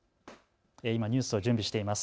今、ニュースを準備しています。